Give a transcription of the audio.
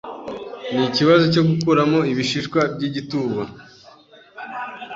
Ni ikibazo cyo gukuramo ibishishwa by'igituba.